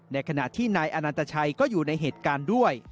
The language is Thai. ในขณะที่นายอนันตชัยก็อยู่ในเหตุการณ์ด้วย